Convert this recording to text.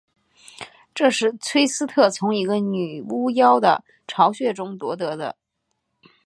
这是崔斯特从一个女巫妖的巢穴中夺得的。